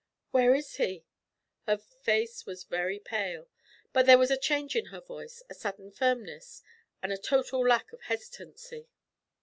'Where is he?' Her face was very pale, but there was a change in her voice, a sudden firmness, and a total lack of hesitancy.